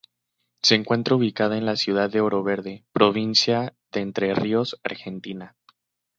Se encuentra ubicada en la ciudad de Oro Verde, provincia de Entre Ríos, Argentina.